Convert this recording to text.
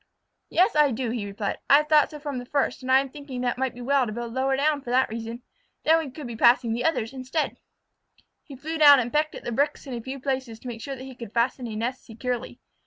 "Yes, I do," he replied. "I have thought so from the first, and I am thinking that it might be well to build lower for that reason. Then we could be passing the others instead." He flew down and pecked at the bricks in a few places to make sure that he could fasten a nest securely.